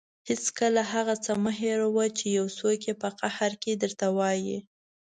هېڅکله هغه څه مه هېروه چې یو څوک یې په قهر کې درته وايي.